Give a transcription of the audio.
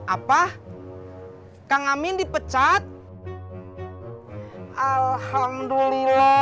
apa kang amin dipecat alhamdulillah